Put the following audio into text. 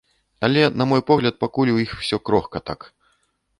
Але на мой погляд пакуль у іх усё крохка так.